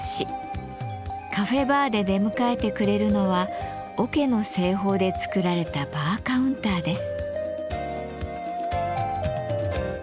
カフェバーで出迎えてくれるのは桶の製法で作られたバーカウンターです。